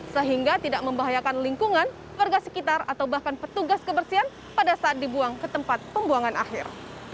sehingga tidak membahayakan lingkungan warga sekitar atau bahkan petugas kebersihan pada saat dibuang ke tempat pembuangan akhir